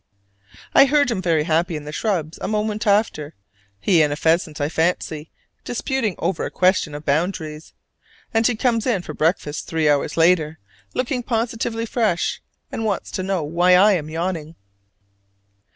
I heard him very happy in the shrubs a moment after: he and a pheasant, I fancy, disputing over a question of boundaries. And he comes in for breakfast, three hours later, looking positively fresh, and wants to know why I am yawning.